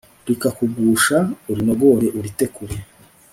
rikakugusha, urinogore urite kure